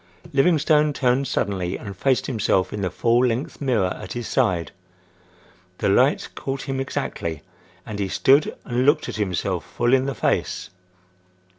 Livingstone turned suddenly and faced himself in the full length mirror at his side. The light caught him exactly and he stood and looked himself full in the face.